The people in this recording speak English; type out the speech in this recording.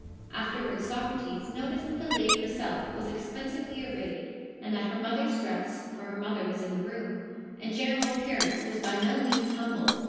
Afterwards Socrates noticed that the lady herself was expensively arrayed, and that her mother's dress (for her mother was in the room) and general appearance was by no means humble.